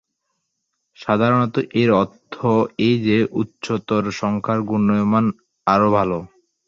সাধারণত, এর অর্থ এই যে উচ্চতর সংখ্যার ঘূর্ণায়মান আরও ভালো।